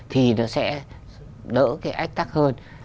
thì nó sẽ đỡ cái ách tắc hơn